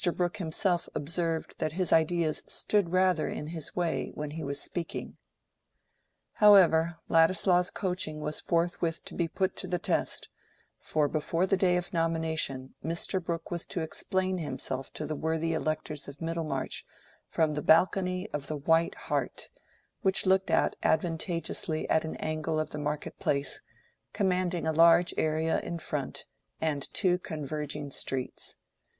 Brooke himself observed that his ideas stood rather in his way when he was speaking. However, Ladislaw's coaching was forthwith to be put to the test, for before the day of nomination Mr. Brooke was to explain himself to the worthy electors of Middlemarch from the balcony of the White Hart, which looked out advantageously at an angle of the market place, commanding a large area in front and two converging streets.